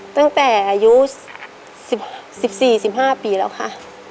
ตั้งแต่อายุ๑๔๑๕ปีแล้วค่ะ